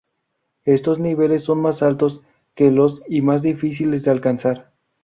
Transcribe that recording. Estos niveles son más altos que los y más difíciles de alcanzar.